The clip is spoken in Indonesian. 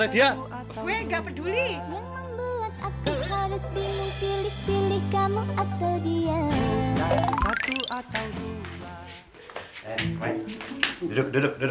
tapi inget youtube